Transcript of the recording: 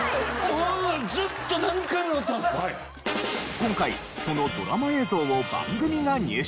今回そのドラマ映像を番組が入手。